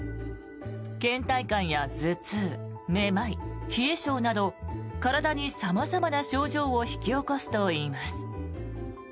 けん怠感や頭痛めまい、冷え性など体に様々な症状を引き起こすといいます。